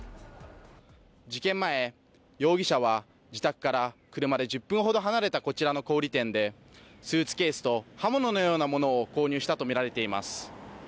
事件前、容疑者は自宅から車で１０分ほど離れたこちらの小売店でスーツケースと刃物のようなものを購入したとみられています。